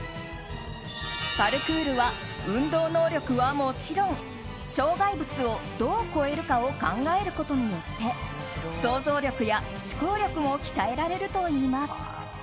パルクールは運動能力はもちろん障害物をどう越えるかを考えることによって想像力や思考力も鍛えられるといいます。